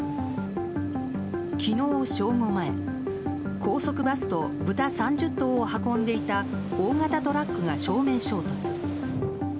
昨日正午前、高速バスとブタ３０頭を運んでいた大型トラックが正面衝突。